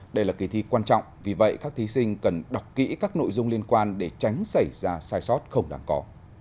đây là kỳ thi quan trọng vì vậy các thí sinh cần đọc kỹ các nội dung liên quan để tránh xảy ra sai sót không đáng có